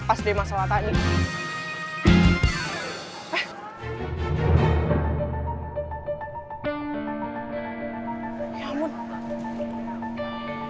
versi kom paradise